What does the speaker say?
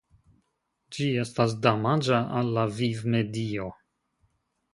Ĝi estas damaĝa al la vivmedio.